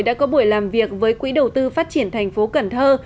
đã có buổi làm việc với quỹ đầu tư phát triển thành phố cần thơ